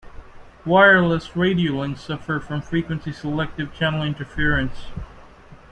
Wireless radio links suffer from frequency-selective channel interference.